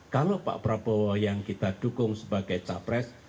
kalau pak prabowo yang kita dukung sebagai capres